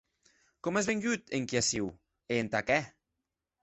Com as vengut enquia aciu, e entà qué?